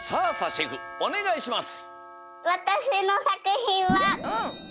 シェフおねがいします。